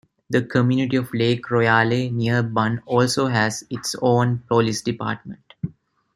The community of Lake Royale near Bunn also has its own police department.